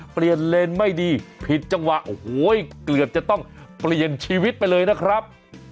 เปลี่ยนเลนไม่ดีผิดจังหวะโอ้โหเกือบจะต้องเปลี่ยนชีวิตไปเลยนะครับ